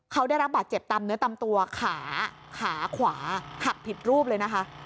เขาได้รับบาดเจ็บตามเนื้อตามตัวขาขาขวาหักผิดรูปเลยนะคะ